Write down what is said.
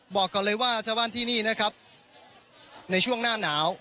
บอกก่อนเลยว่าชาวบ้านที่นี่นะครับในช่วงหน้าหนาว